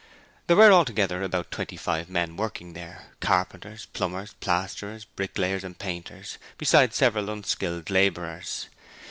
There were, altogether, about twenty five men working there, carpenters, plumbers, plasterers, bricklayers and painters, besides several unskilled labourers.